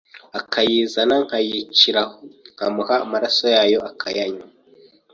akayizana nkayicira aho nkamuha amaraso yayo akanywa